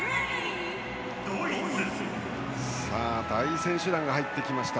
大選手団が入ってきました。